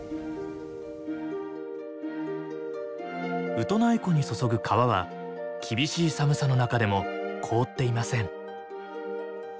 ウトナイ湖に注ぐ川は厳しい寒さの中でも凍っていません。